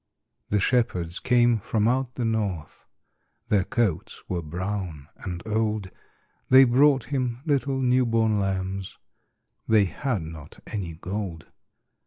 The shepherds came from out the north, Their coats were brown and old, They brought Him little new born lambs They had not any gold.